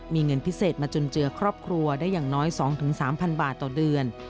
มีเงินพิเศษมาจุนเจือครอบครัวได้อย่างน้อย๒๓๐๐บาทต่อเดือน